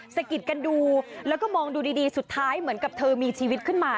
สกิดกันดูแล้วก็มองดูดีสุดท้ายเหมือนกับเธอมีชีวิตขึ้นมา